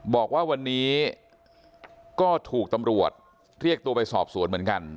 บอกว่าวันนี้ก็ถูกตำรวจเรียกตัวไปสอบสวนเหมือนกัน